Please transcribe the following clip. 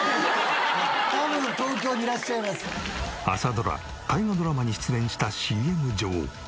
朝ドラ大河ドラマに出演したＣＭ女王。